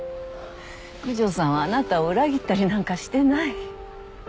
九条さんはあなたを裏切ったりなんかしてない。